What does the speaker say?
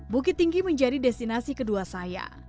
bukit tinggi menjadi destinasi kedua saya